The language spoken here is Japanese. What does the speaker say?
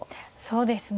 そうですね。